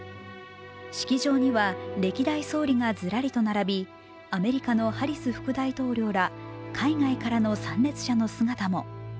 式場には歴代総理がずらりと並びアメリカのハリス副大統領ら海外からの参列者の姿も。